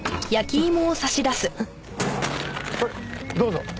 これどうぞ！